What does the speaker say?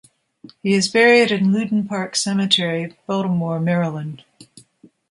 He is buried in Loudon Park Cemetery, Baltimore, Maryland.